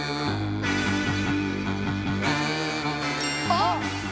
あっ！